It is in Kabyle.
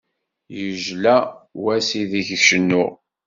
Yejla wass ideg cennuɣ.